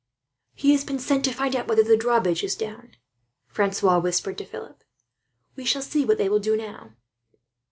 "He has been sent to find out whether the drawbridge is down," Francois whispered to Philip. "We shall see what they will do now."